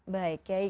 baik ya iyai